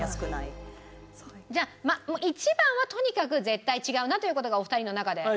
じゃあまあ１番はとにかく絶対違うなという事がお二人の中で。